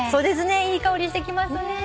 いい香りしてきますね。